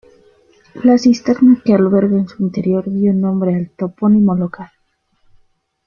La cisterna que alberga en su interior dio nombre al topónimo local.